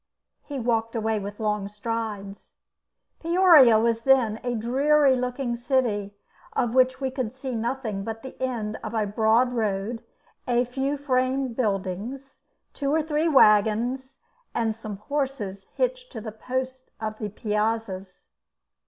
He walked away with long strides. Peoria was then a dreary looking city, of which we could see nothing but the end of a broad road, a few frame buildings, two or three waggons, and some horses hitched to the posts of the piazzas.